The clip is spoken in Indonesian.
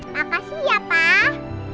makasih ya pak